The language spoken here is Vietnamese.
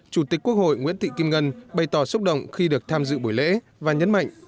chủ tịch quốc hội nguyễn thị kim ngân bày tỏ xúc động khi được tham dự buổi lễ và nhấn mạnh